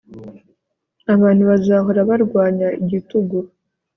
abantu bazahora barwanya igitugu